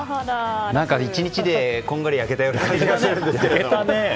１日で、こんがり焼けたような感じがするんですけれども。